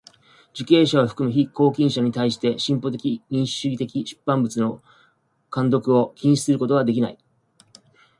受刑者を含む被拘禁者にたいして進歩的民主主義的出版物の看読を禁止することはできない。